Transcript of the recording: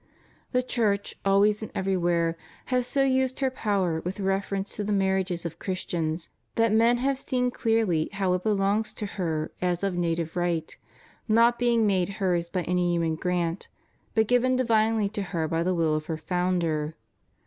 The Church, always and everywhere, has so used her power with reference to the marriages of Christians, that men have seen clearly how it belongs to her as of native right; not being made hers by any human grant, but given divinely to her by the will of her Founder.